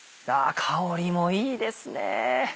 香りもいいですね。